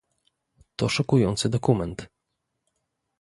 To szokujący dokument